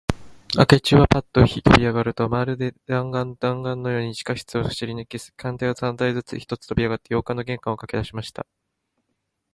明智はパッととびあがると、まるで弾丸だんがんのように、地下室を走りぬけ、階段を三段ずつ一とびにかけあがって、洋館の玄関にかけだしました。